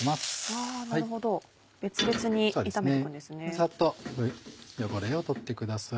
サッと汚れを取ってください。